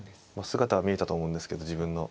姿は見えたと思うんですけど自分の。